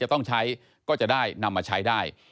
จะต้องใช้ก็จะได้นำมาใช้ได้